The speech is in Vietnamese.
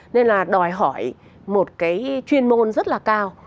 nên là đòi hỏi một cái chuyên môn rất là cao